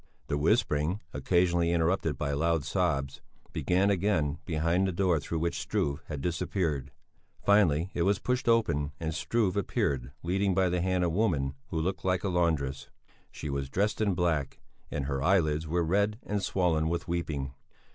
The whispering, occasionally interrupted by loud sobs, began again behind the door through which Struve had disappeared; finally it was pushed open and Struve appeared leading by the hand a woman who looked like a laundress; she was dressed in black, and her eyelids were red and swollen with weeping.